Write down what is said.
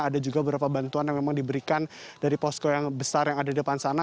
ada juga beberapa bantuan yang memang diberikan dari posko yang besar yang ada di depan sana